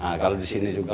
nah kalau di sini juga